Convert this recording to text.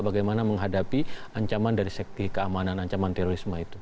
bagaimana menghadapi ancaman dari sekti keamanan ancaman terorisme itu